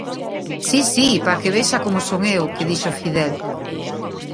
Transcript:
Si, si, para que vexa como son eu, que dixo Fidel.